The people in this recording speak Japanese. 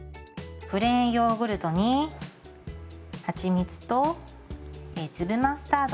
プレーンヨーグルトにはちみつと粒マスタード